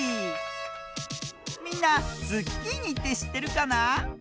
みんなズッキーニってしってるかな？